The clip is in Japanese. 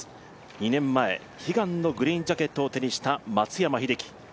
２年前悲願のグリーンジャケットを手にした松山英樹。